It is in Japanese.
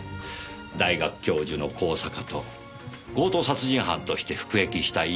大学教授の香坂と強盗殺人犯として服役した乾。